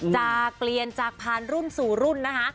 จากเปลี่ยนจากผ่านรุ่นสู่รุ่นนะคะ